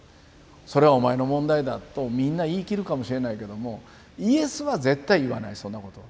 それはお前の問題だとみんな言い切るかもしれないけどもイエスは絶対言わないそんなことは。